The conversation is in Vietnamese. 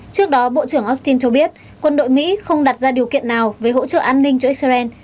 trước đó bộ trưởng austin cho biết quân đội mỹ không đặt ra điều kiện nào về hỗ trợ an ninh cho israel